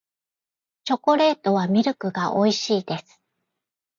チョコレートはミルクが美味しいです